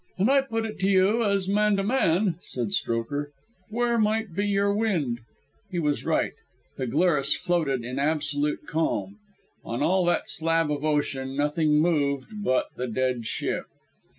"And I put it to you as man to man," said Strokher, "where might be your wind." He was right. The Glarus floated in absolute calm. On all that slab of ocean nothing moved but the Dead Ship.